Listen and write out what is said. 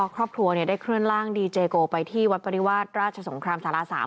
ครอบครัวได้เคลื่อนร่างดีเจโกไปที่วัดปริวาสราชสงครามสารา๓